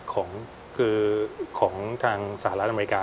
ของทางสหรัฐอเมริกา